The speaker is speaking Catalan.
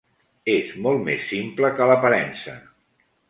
És molt més simple que l'aparença.